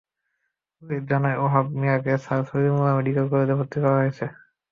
Police জানায়, ওহাব মিয়াকে Sir Salimullah Medical College হাসপাতালে ভর্তি করা হয়েছে।